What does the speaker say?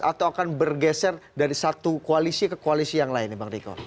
atau akan bergeser dari satu koalisi ke koalisi yang lain bang riko